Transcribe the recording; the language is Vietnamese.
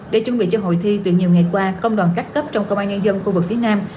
để chuẩn bị cho hội thi từ nhiều ngày qua công đoàn các cấp trong công an nhân dân khu vực phía nam